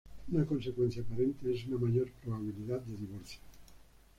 Una consecuencia aparente es una mayor probabilidad de divorcio.